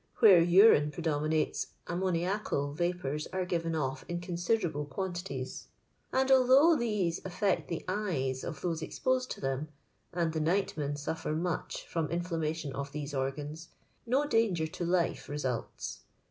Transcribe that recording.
Where urine predominates ammoniacal va pours are given off in considerable quantities, and although these affect the eyes of those ex posed to them — and the nightmen suffer much from inflammation of these organs— no danger to life results.